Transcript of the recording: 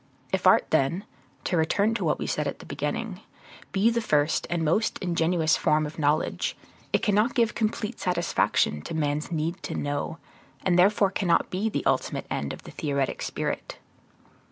If art, then (to return to what we said at the beginning), be the first and most ingenuous form of knowledge, it cannot give complete satisfaction to man's need to know, and therefore cannot be the ultimate end of the theoretic spirit.